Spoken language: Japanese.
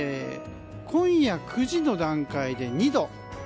今夜９時の段階で２度。